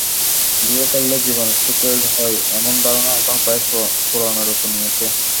বিয়ে করলেই জীবন সুখের হয়—এমন ধারণা এখন প্রায় পুরাণে রূপ নিয়েছে।